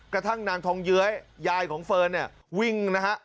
กระทั่งนางทองเย้ยยายของเฟิร์นเนี่ยวิ่งนะฮะ